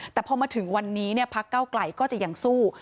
แต่พอมาถึงวันนี้พักเก้าไกลก็จะยังสู้